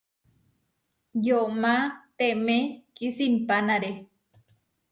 Yomá temé kisimpánare.